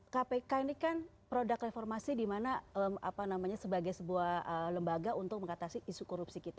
kpk ini kan produk reformasi di mana sebagai sebuah lembaga untuk mengatasi isu korupsi kita